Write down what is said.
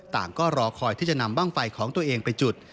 ก็รอคอยที่จะนำบ้างไฟของตัวเองไปจุด